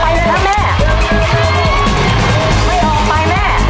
ไม่ออกไปแม่